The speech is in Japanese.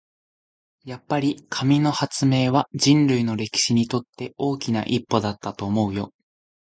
やっぱり、紙の発明は人類の歴史にとって大きな一歩だったと思うよ。